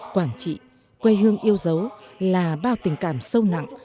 quản trị quê hương yêu dấu là bao tình cảm sâu nặng